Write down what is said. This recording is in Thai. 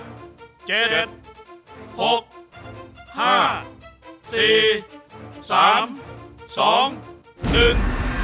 สัมภาษณ์